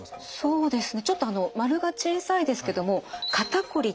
そうですか。